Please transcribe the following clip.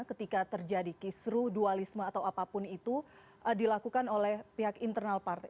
ketika terjadi kisru dualisme atau apapun itu dilakukan oleh pihak internal partai